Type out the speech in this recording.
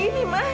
beto mau taruh